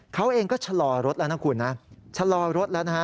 เขาเองก็ชะลอรถแล้วนะคุณนะชะลอรถแล้วนะฮะ